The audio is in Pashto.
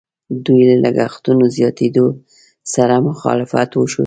دوی له لګښتونو زیاتېدلو سره مخالفت وښود.